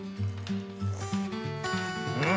うん！